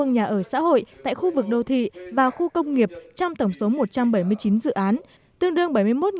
m hai nhà ở xã hội tại khu vực đô thị và khu công nghiệp trong tổng số một trăm bảy mươi chín dự án tương đương